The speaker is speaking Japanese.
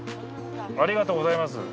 ありがとうございます。